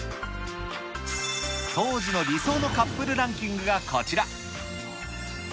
当時の理想のカップルランキングがこちら。